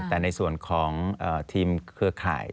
แต่ในส่วนของทีมเครือข่าย